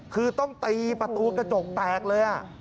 คือต้องตีประตูกระจกแตกเลย